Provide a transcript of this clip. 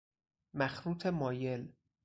مخروط مایل